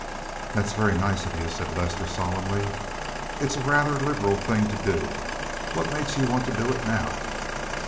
"That's very nice of you," said Lester solemnly. "It's a rather liberal thing to do. What makes you want to do it now?"